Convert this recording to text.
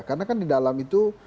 karena kan di dalam itu